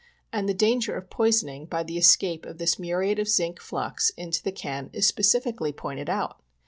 And the danger of poisoning by the escape of this muriate of zinc flux into the \ can is specifically pointed out.